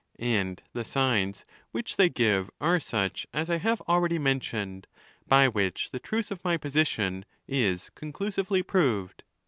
And 'the signs which they give are such as I have already mentioned, by which the truth of my position is conclusively proved.